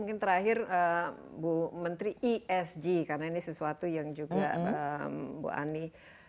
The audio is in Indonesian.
mungkin terakhir bu menteri esg karena ini sesuatu yang juga bu ani